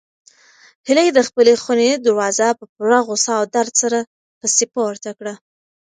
هیلې د خپلې خونې دروازه په پوره غوسه او درد سره پسې پورته کړه.